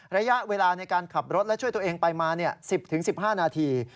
ระยะเวลาในการขับรถและช่วยตัวเองไปมา๑๐๑๕นาที